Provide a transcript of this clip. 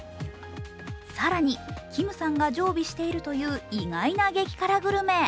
さらにキムさんが常備しているという意外な激辛グルメ。